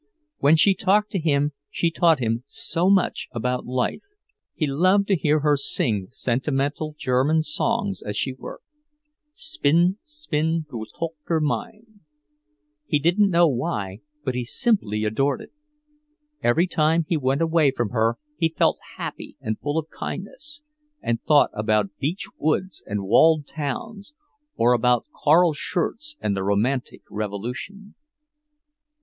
When she talked to him she taught him so much about life. He loved to hear her sing sentimental German songs as she worked; "Spinn, spinn, du Tochter mein." He didn't know why, but he simply adored it! Every time he went away from her he felt happy and full of kindness, and thought about beech woods and walled towns, or about Carl Schurz and the Romantic revolution.